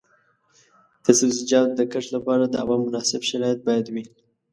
د سبزیجاتو د کښت لپاره د هوا مناسب شرایط باید وي.